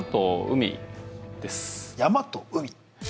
「山と海」